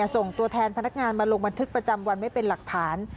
ส่งตัวแทนพนักงานมาลงบันทึกประจำวันไม่เป็นหลักฐาน